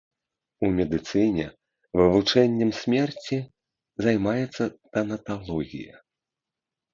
У медыцыне вывучэннем смерці займаецца танаталогія.